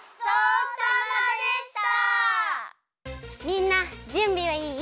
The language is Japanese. みんなじゅんびはいい？